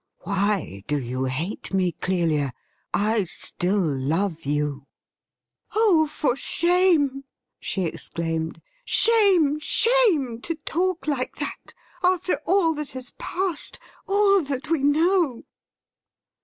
' Why do you hate me, Clelia ? I still love you.' 'Oh, for shame!' she exclaimed. 'Shame — shame — to talk like that — after all that has passed — all that we know